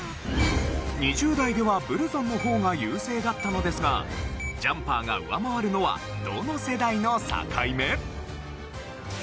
２０代ではブルゾンの方が優勢だったのですがジャンパーが上回るのはどの世代の境目？